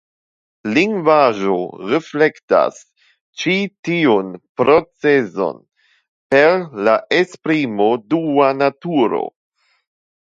Lingvaĵo reflektas ĉi tiun procezon per la esprimo dua naturo.